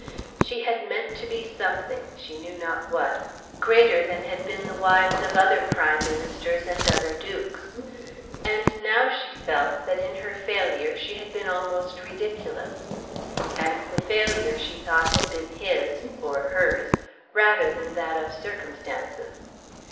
She had meant to be something, she knew not what, greater than had been the wives of other Prime Ministers and other Dukes; and now she felt that in her failure she had been almost ridiculous. And the failure, she thought, had been his, or hers, rather than that of circumstances.